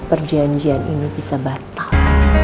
perjanjian ini bisa batal